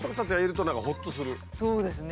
そうですね